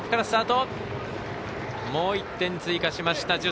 もう１点追加しました。